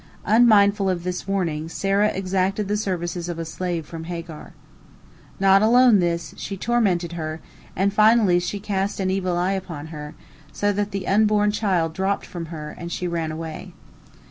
Unmindful of this warning, Sarah exacted the services of a slave from Hagar. Not alone this, she tormented her, and finally she cast an evil eye upon her, so that the unborn child dropped from her, and she ran away.